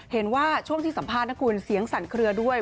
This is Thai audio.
เห็นว่าช่วงที่สัมภาษณ์นะคุณเสียงสั่นเคลือด้วย